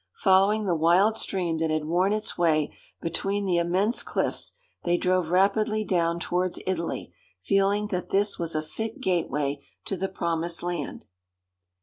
Following the wild stream that had worn its way between the immense cliffs, they drove rapidly down towards Italy, feeling that this was a fit gateway to the promised land.